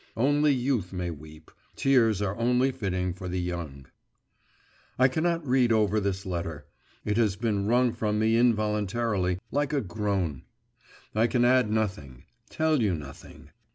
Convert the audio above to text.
Only youth may weep; tears are only fitting for the young.… I cannot read over this letter; it has been wrung from me involuntarily, like a groan. I can add nothing, tell you nothing.